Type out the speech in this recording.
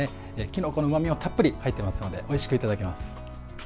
きのこのうまみがたっぷり入っていますのでおいしくいただけます。